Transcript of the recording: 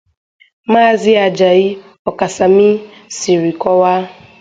Maazị Ajayi Okasanmi siri kọwaa